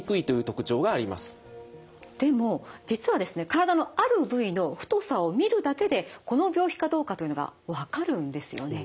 体のある部位の太さを見るだけでこの病気かどうかというのが分かるんですよね。